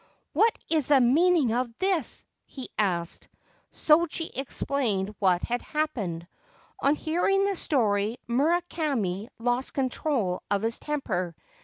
4 What is the meaning of this ?' he asked. Shoji explained what had happened. On hearing the story Murakami lost control of his temper.